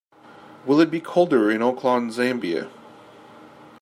Will it be colder in Oaklawn Zambia?